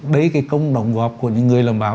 đấy cái công đồng góp của những người làm báo